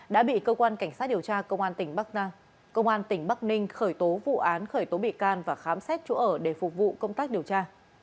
đã bị cơ quan cảnh sát điều tra công an tỉnh bắc ninh khởi tố vụ án khởi tố bị can và khám xét chỗ ở để phục vụ công tác điều tra